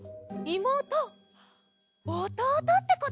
もうとおとうとってこと？